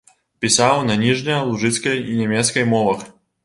Пісаў на ніжнялужыцкай і нямецкай мовах.